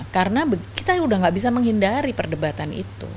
karena kita udah gak bisa menghindari perdebatan